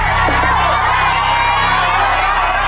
เร็วเร็วเร็วเร็ว